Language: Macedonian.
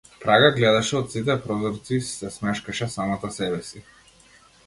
Прага гледаше од сите прозорци и си се смешкаше самата себеси.